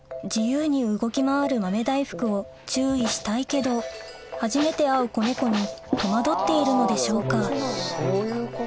自由に動き回る豆大福を注意したいけど初めて会う子猫に戸惑っているのでしょうか？